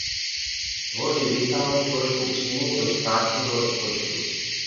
Tvoří významnou složky příjmů do státního rozpočtu.